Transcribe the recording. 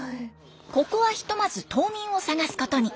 ここはひとまず島民を探すことに。